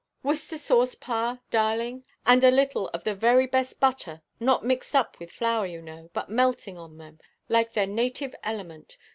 "Worcester sauce, pa, darling, and a little of the very best butter, not mixed up with flour, you know, but melting on them, like their native element.